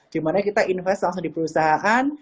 dimana kita investasi langsung di perusahaan